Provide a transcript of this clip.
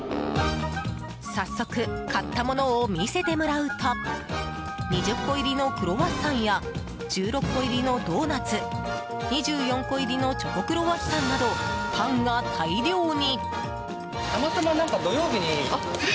早速、買ったものを見せてもらうと２０個入りのクロワッサンや１６個入りのドーナツ２４個入りのチョコクロワッサンなどパンが大量に。